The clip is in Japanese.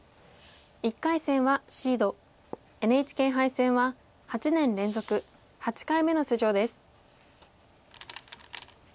１回戦はシードＮＨＫ杯戦は８年連続８回目の出場です。